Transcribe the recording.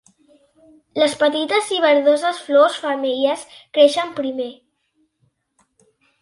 Les petites i verdoses flors femelles creixen primer.